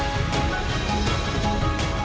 terima kasih mu mengasili